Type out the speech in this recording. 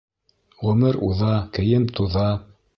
Ғүмер уҙа, кейем туҙа.